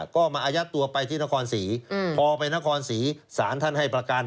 ก็มาอายัดตัวไปที่นครศรีพอไปนครศรีสารท่านให้ประกัน